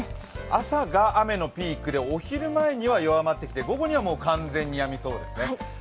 朝が雨のピークでお昼前には弱まってきて午後には完全にやみそうですね。